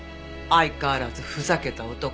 相変わらずふざけた男。